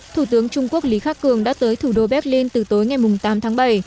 thủ tướng trung quốc lý khắc cường đã tới thủ đô berlin từ tối ngày tám tháng bảy